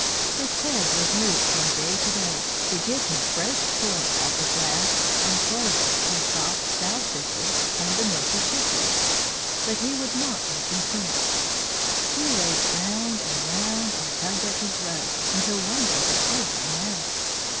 His peg was moved from day to day, to give him fresh choice of the grass and clover and soft sow thistles and the milky chickweed, but he would not be content. He raced round and round and tugged at his rope, until one day the peg came out.